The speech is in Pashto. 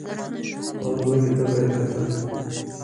او ځمکې ته به یې کتل.